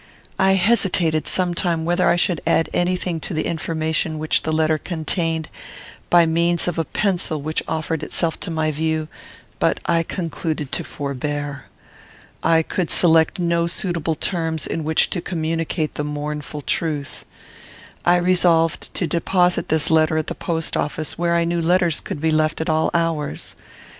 I hesitated some time whether I should add any thing to the information which the letter contained, by means of a pencil which offered itself to my view; but I concluded to forbear. I could select no suitable terms in which to communicate the mournful truth. I resolved to deposit this letter at the post office, where I knew letters could be left at all hours.